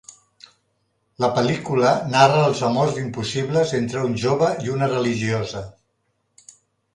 La pel·lícula narra els amors impossibles entre un jove i una religiosa.